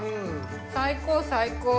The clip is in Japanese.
最高最高。